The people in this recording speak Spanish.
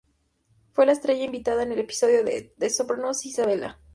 Fue la estrella invitada en el episodio de "The Sopranos" "Isabella".